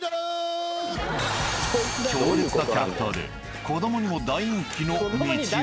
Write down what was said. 強烈なキャラクターで子供にも大人気のみちお。